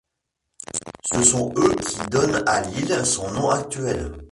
Ce sont eux qui donnent à l’île son nom actuel.